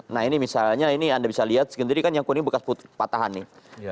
nah ini misalnya ini anda bisa lihat sendiri kan yang kuning bekas patahan nih